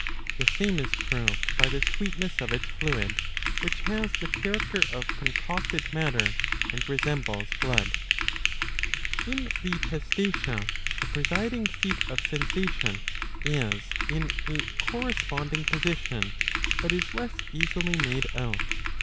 The same is proved by the sweetness of its fluid, which has the character of concocted matter and resembles blood.^^ In the Testacea the presiding seat of sensation is in a cor 681b. io6 iv. 5. responding position, but is less easily made out.